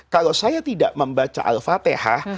kalau saya tidak membaca al fatihah